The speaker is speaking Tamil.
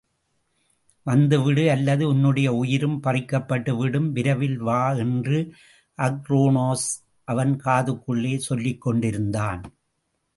வந்துவிடு அல்லது உன்னுடைய உயிரும் பறிக்கப்பட்டுவிடும், விரைவில் வா என்று அக்ரோனோஸ் அவன் காதுக்குள்ளே சொல்லிக்கொண்டிருந்தான்.